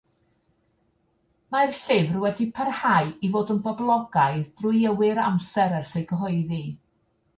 Mae'r llyfr wedi parhau i fod yn boblogaidd drwywy'r amser ers ei gyhoeddi.